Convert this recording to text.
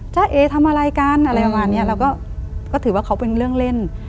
เอทำอะไรกันอะไรประมาณนี้เราก็ถือว่าเขาเป็นเรื่องเล่น